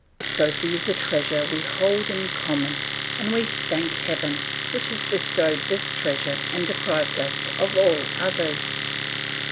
Sophy is a treasure we hold in common, and we thank Heaven which has bestowed this treasure and deprived us of all others.